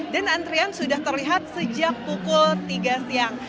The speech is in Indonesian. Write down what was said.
dan antrian sudah terlihat sejak pukul tiga siang